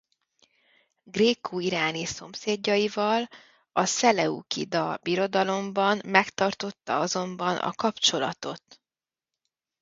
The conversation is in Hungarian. Grékó-iráni szomszédjaival a Szeleukida Birodalomban megtartotta azonban a kapcsolatot.